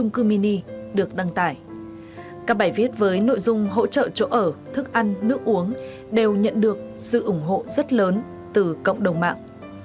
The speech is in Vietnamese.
các bài viết với nội dung hỗ trợ chỗ ở thức ăn nước uống đều nhận được sự ủng hộ rất lớn từ cộng đồng mạng